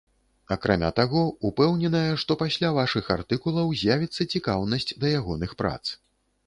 Акрамя таго, упэўненая, што пасля вашых артыкулаў з'явіцца цікаўнасць да ягоных прац.